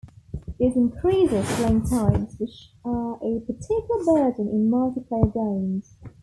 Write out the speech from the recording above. This increases playing-times, which are a particular burden in multiplayer games.